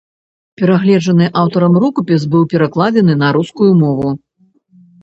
Перагледжаны аўтарам рукапіс быў перакладзены на рускую мову.